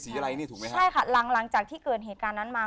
ใช่ค่ะหลังจากที่เกิดเหตุการณ์นั้นมา